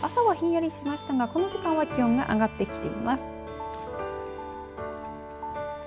朝はひんやりしましたがこの時間は気温が上がってきています。